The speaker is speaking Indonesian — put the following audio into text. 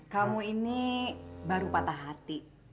kamu ini baru patah hati